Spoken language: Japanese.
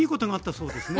そうですね。